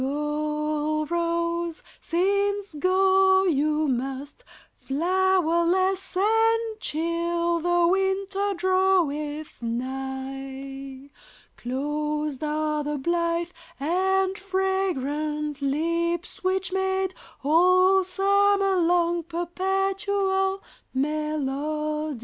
Go, rose, since go you must, Flowerless and chill the winter draweth nigh; Closed are the blithe and fragrant lips which made All summer long perpetual melody.